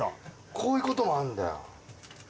こういうこともあんだよ。